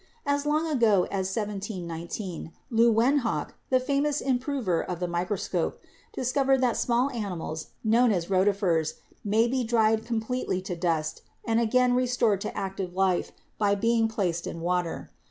As long ago as 1719 Leeuwen hock, the famous improver of the microscope, dis covered that small animals, now known as rotifers, may be dried completely to dust and again restored to active life by being placed in water.